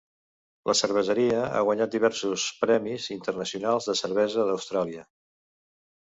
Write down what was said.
La cerveseria ha guanyat diversos premis internacionals de cervesa d'Austràlia.